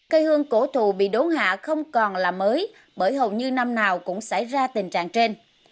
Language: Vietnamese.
cây hương cổ thù bị đốn hạ không còn là mới bởi hầu như năm nào cũng xảy ra tình trạng trên